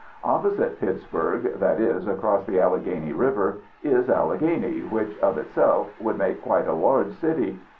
Opposite Pittsburg that is, across the Alleghany River is Alleghany, which of itself would make quite a large city.